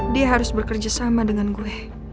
dia harus bekerja sama dengan gue